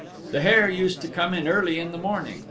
The hare used to come in early in the morning.